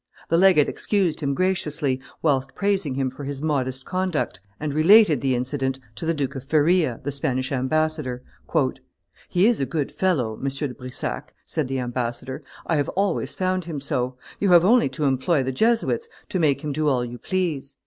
The legate excused him graciously, whilst praising him for his modest conduct, and related the incident to the Duke of Feria, the Spanish ambassador. "He is a good fellow, M. de Brissac," said the ambassador; "I have always found him so; you have only to employ the Jesuits to make him do all you please.